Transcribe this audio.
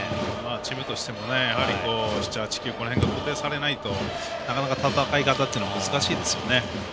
チームとしてもやはり、７、８、９この辺りが固定されないとなかなか、戦い方っていうのは難しいですよね。